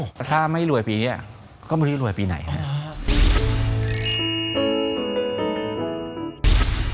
แต่ถ้าไม่รวยปีนี้ก็ไม่รู้จะรวยปีไหนครับ